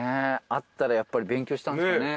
あったらやっぱり勉強したんすかね